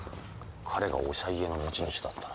彼がおしゃ家の持ち主だったら。